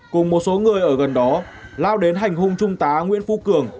cùng một số người ở gần đó lao đến hành hung trung tá nguyễn phu cường